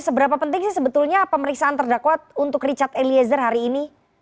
seberapa penting sih sebetulnya pemeriksaan terdakwa untuk richard eliezer hari ini